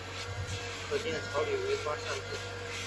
可见曹摅为官善治。